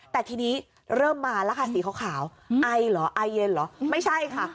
แต่ทีนี้เริ่มมาแล้วค่ะสีขาวไอเหรอไอเย็นเหรอไม่ใช่ค่ะ